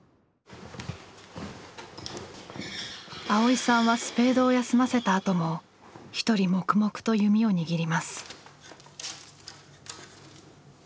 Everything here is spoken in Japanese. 蒼依さんはスペードを休ませたあとも一人黙々と弓を握ります。